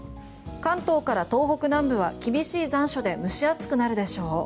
関東から東北南部は厳しい残暑で蒸し暑くなるでしょう。